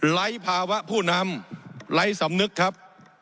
ไร้ภาวะผู้นำไร้สำนึกครับ